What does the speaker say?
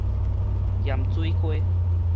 鹹水溪